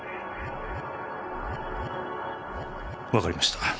わかりました。